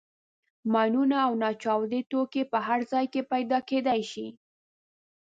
ماینونه او ناچاودي توکي په هر ځای کې پیدا کېدای شي.